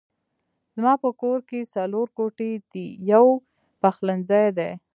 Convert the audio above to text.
زما په کور کې څلور کوټې دي يو پخلنځی دی